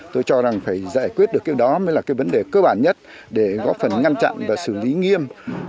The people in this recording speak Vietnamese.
tôi cho rằng phải giải quyết được cái đó mới là cái vấn đề cơ bản nhất để góp phần ngăn chặn và xử lý nghiêm